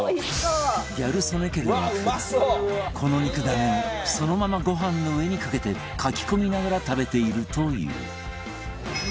ギャル曽根家ではこの肉ダネをそのままご飯の上にかけてかき込みながら食べているという